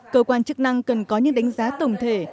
cơ quan chức năng cần có những đánh giá tổng thể